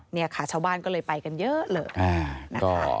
เนี่ยค่ะชาวบ้านก็เลยไปกันเยอะหรอก